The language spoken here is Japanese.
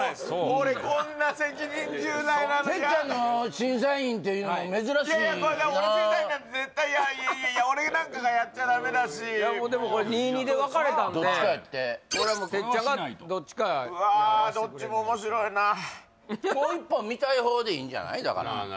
俺こんな責任重大なの嫌てっちゃんの審査員っていうのも珍しいよないやいや俺審査員なんて絶対俺なんかがやっちゃダメだしでもこれ２２で分かれたんでどっちかやってこれはもうてっちゃんがどっちかうわどっちも面白いなもう一本見たい方でいいんじゃないだからああ